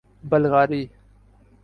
بلغاری